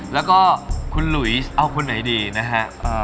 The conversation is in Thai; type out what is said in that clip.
แล้วก็คุณหลุยเอาคนไหนดีนะฮะ